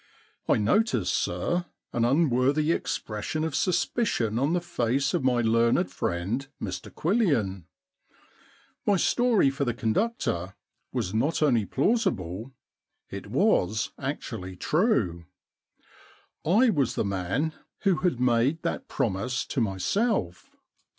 * I notice, sir, an unworthy expression of suspicion on the face of my learned friend Mr Quillian. My story for the conductor was not only plausible — it was actually true. I was the man who had made that promise to myself.